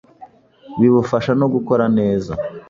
bibufasha no gukora neza,